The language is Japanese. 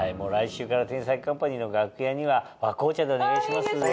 来週から『天才‼カンパニー』の楽屋には和紅茶でお願いします。